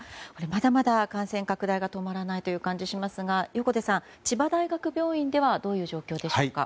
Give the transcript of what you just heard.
まだまだ感染拡大が止まらないという感じがしますが横手さん、千葉大学病院ではどういう状況でしょうか。